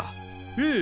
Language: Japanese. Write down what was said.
ええ。